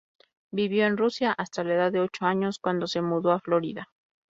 Vivió en Rusia hasta la edad de ocho años, cuando se mudó a Florida.